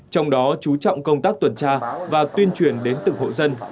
trong đó chú trọng công tác tuần tra và tuyên truyền đến từng hộ dân